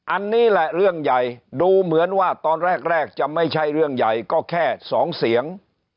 อันนี้แหละเรื่องใหญ่ดูเหมือนว่าตอนแรกจะไม่ใช่เรื่องใหญ่ก็แค่สองเสียง